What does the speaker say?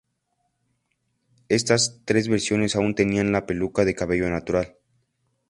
Estas tres versiones aún tenían la peluca de cabello natural.